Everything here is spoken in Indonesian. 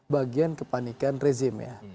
bagian kepanikan rezim ya